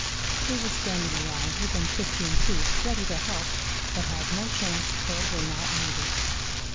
We were standing around within fifteen feet, ready to help, but had no chance till were not needed.